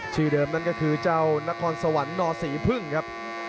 ชื่อเดิมนั่นก็คือเจ้านครสวรรค์นศรีพึ่งครับ